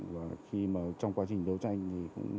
và trong quá trình đấu tranh